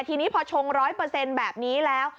ทีนี้พอชงร้อยเปอร์เซนต์แบบนี้แล้ว